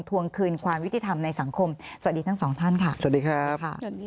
ทวงคืนความยุติธรรมในสังคมสวัสดีทั้งสองท่านค่ะสวัสดีครับค่ะ